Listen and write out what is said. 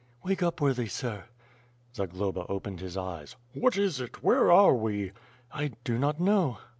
*'Wake up, worthy sir." Zagloba opened his eyes. "What is it? Where are we?" "I do not know."